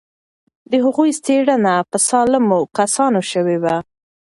د هغوی څېړنه پر سالمو کسانو شوې وه.